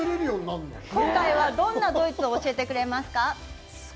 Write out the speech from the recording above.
今回はどんなドイツを教えてくれますか？